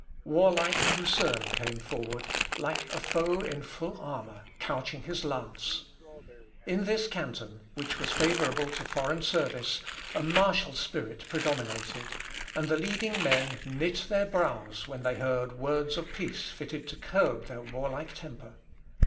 Warlike Lucerne came forward, like a foe in full armour couching his lance. In this canton, which was favourable to foreign service, a martial spirit predominated, and the leading men knit their brows when they heard words of peace fitted to curb their warlike temper.